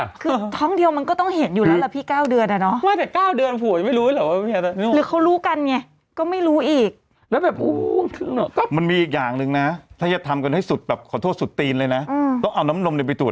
คือท้องเดียวมันก็ต้องเห็นอยู่แล้วล่ะพี่